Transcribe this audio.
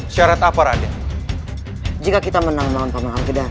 syarat apa raden jika kita menang dengan pameran kedana